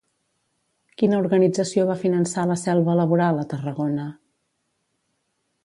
Quina organització va finançar La selva laboral a Tarragona?